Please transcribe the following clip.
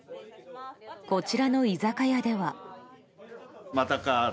こちらの居酒屋では。